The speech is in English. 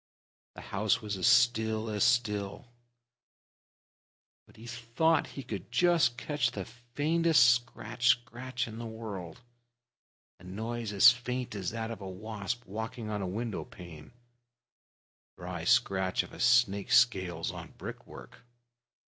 The house was as still as still, but he thought he could just catch the faintest scratch scratch in the world a noise as faint as that of a wasp walking on a window pane the dry scratch of a snake's scales on brick work.